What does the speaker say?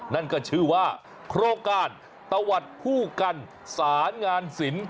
นั่นก็ชื่อว่าโครงการตะวัดผู้กันสารงานศิลป